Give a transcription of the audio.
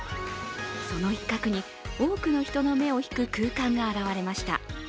その一角に、多くの人の目を引く空間が現れました。